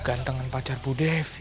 gantengan pacar bu devi